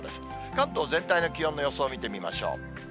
関東全体の気温の予想見てみましょう。